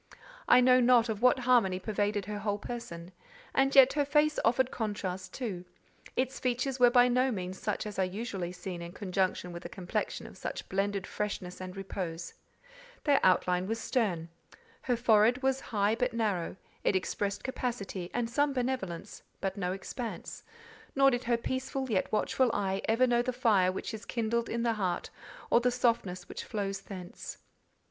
I know not what of harmony pervaded her whole person; and yet her face offered contrast, too: its features were by no means such as are usually seen in conjunction with a complexion of such blended freshness and repose: their outline was stern: her forehead was high but narrow; it expressed capacity and some benevolence, but no expanse; nor did her peaceful yet watchful eye ever know the fire which is kindled in the heart or the softness which flows thence.